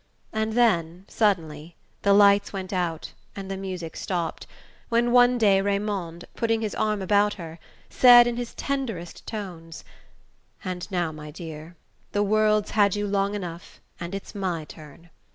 And then suddenly the lights went out and the music stopped when one day Raymond, putting his arm about her, said in his tenderest tones: "And now, my dear, the world's had you long enough and it's my turn.